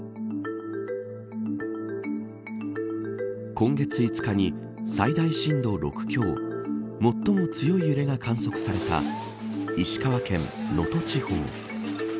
今月５日に最大震度６強最も強い揺れが観測された石川県能登地方。